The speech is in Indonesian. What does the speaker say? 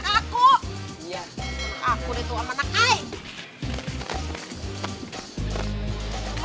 aku kayak asem tau gak asem